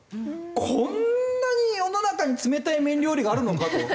こんなに世の中に冷たい麺料理があるのかと。